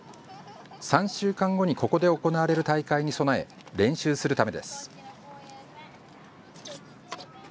３週間後にここで行われる大会に備え、練習するためです。